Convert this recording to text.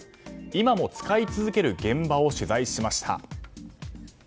今も使い続ける現場を取材しました。